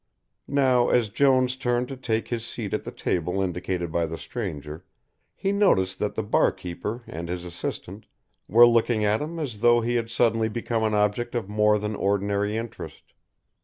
Now as Jones turned to take his seat at the table indicated by the stranger, he noticed that the bar keeper and his assistant were looking at him as though he had suddenly become an object of more than ordinary interest.